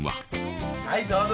はいどうぞ。